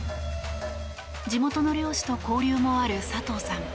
地元の猟師と交流もある佐藤さん。